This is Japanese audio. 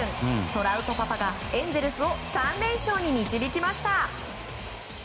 トラウトパパがエンゼルスを３連勝に導きました。